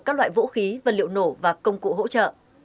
các loại vũ khí vật liệu nổ và công cụ hỗ trợ